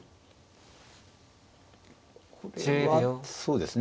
これはそうですね